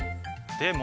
でも。